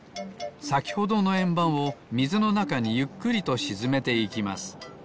さきほどのえんばんをみずのなかにゆっくりとしずめていきます。